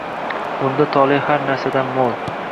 Bunda tole har narsadan mo’l